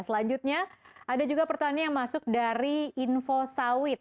selanjutnya ada juga pertanyaan yang masuk dari info sawit